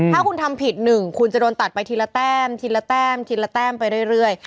ถ้าคุณทำผิด๑คุณจะโดนตัดไปทีละแต้มทีละแต้มทีละแต้มไปเรื่อย